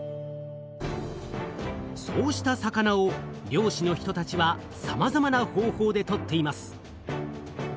そうした魚を漁師の人たちはさまざまな方法でとっています。